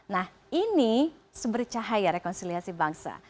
nah ini sebercahaya rekonsiliasi bangsa